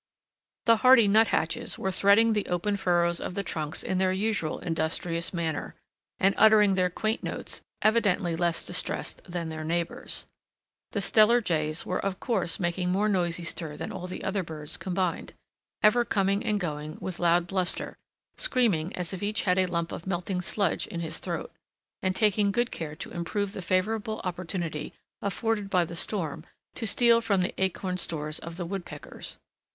The hardy nut hatches were threading the open furrows of the trunks in their usual industrious manner, and uttering their quaint notes, evidently less distressed than their neighbors. The Steller jays were of course making more noisy stir than all the other birds combined; ever coming and going with loud bluster, screaming as if each had a lump of melting sludge in his throat, and taking good care to improve the favorable opportunity afforded by the storm to steal from the acorn stores of the woodpeckers.